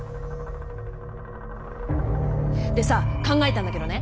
でさ考えたんだけどね